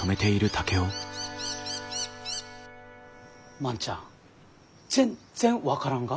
万ちゃん全然分からんが？